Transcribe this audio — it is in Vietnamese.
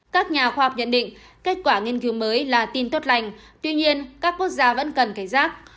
các nhà khoa học nhận định kết quả nghiên cứu mới là tin tốt lành tuy nhiên các quốc gia vẫn cần cảnh giác